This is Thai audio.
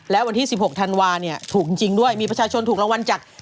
และวันที่๑๖ธันวาเนี่ยถูกจริงด้วยมีประชาชนถูกรางวัลจาก